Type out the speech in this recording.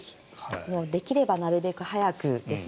できればなるべく早くですね。